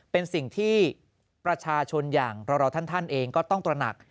เป็นสิ่งที่ประชาชนอย่างเราท่านเองก็ต้องตระหนัก